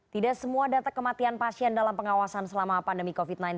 tidak semua data kematian pasien dalam pengawasan selama pandemi covid sembilan belas